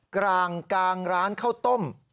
กลางกลางร้านข้าวต้ม